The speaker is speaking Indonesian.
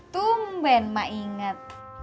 tumben ma inget